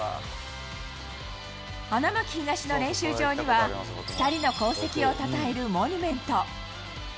花巻東の練習場には２人の功績をたたえるモニュメント。